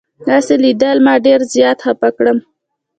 داسې لیدل ما ډېر زیات خفه کړم.